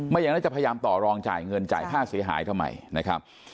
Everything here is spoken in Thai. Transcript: อย่างนั้นจะพยายามต่อรองจ่ายเงินจ่ายค่าเสียหายทำไมนะครับ